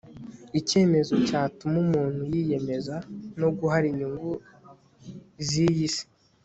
icyemezo cyatuma umuntu yiyemeza no guhara inyungu z'iyi si